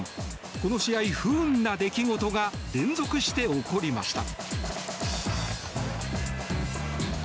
この試合、不運な出来事が連続して起こりました。